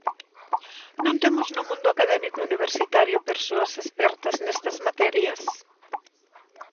Non temos no mundo académico e universitario persoas expertas nestas materias?